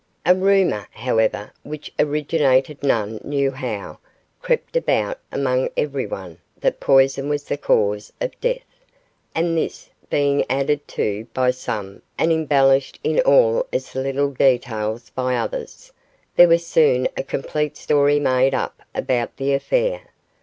A rumour, however, which originated none knew how, crept about among everyone that poison was the cause of death, and this, being added to by some and embellished in all its little details by others, there was soon a complete story made up about the affair.